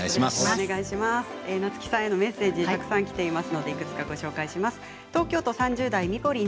夏木さんへのメッセージたくさんきています。